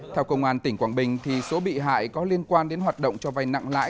theo công an tỉnh quảng bình số bị hại có liên quan đến hoạt động cho vay nặng lãi